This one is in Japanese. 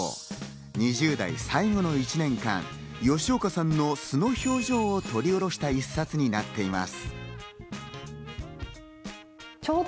２０代最後の１年間、吉岡さんの素の表情を撮り下ろした一冊になっています。